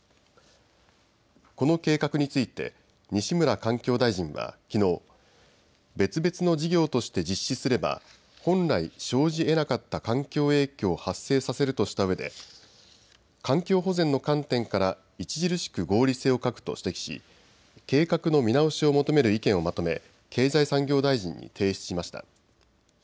この計画について西村環境大臣はきのう別々の事業として実施すれば本来生じえなかった環境影響を発生させるとしたうえで環境保全の観点から著しく合理性を欠くと指摘し計画の見直しを求める意見をまとめ経済産業大臣に提出しました。